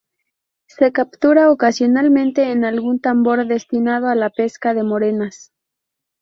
Se captura ocasionalmente en algún tambor destinado a la pesca de morenas.